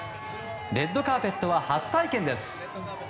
レッドカーペットは初体験です。